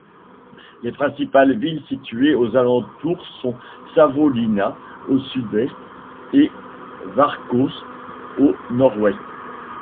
Les principales villes situées aux alentours sont Savonlinna, au Sud-Est, et Varkaus, au Nord-Ouest.